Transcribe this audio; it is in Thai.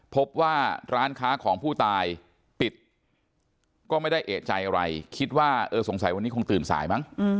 พบว่าร้านค้าของผู้ตายปิดก็ไม่ได้เอกใจอะไรคิดว่าเออสงสัยวันนี้คงตื่นสายมั้ง